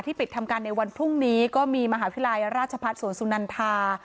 ปิดทำการในวันพรุ่งนี้ก็มีมหาวิทยาลัยราชพัฒน์สวนสุนันทา